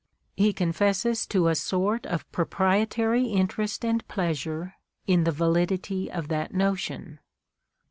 He confesses to a sort of pro prietary interest and pleasure in the validity of that notion.